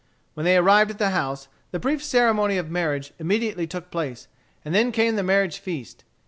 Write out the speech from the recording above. When they arrived at the house, the brief ceremony of marriage immediately took place, and then came the marriage feast.